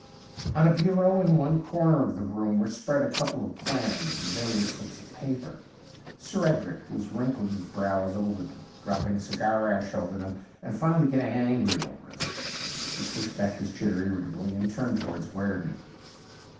On a bureau in one corner of the room were spread a couple of plans and various slips of paper. Sir Edi'ic 136 THE UNDYING THING was wrinkling his brows over them, dropping cigar ash over them, and finally getting angry over them. He pushed back his chair irritably, and turned towards Guerdon.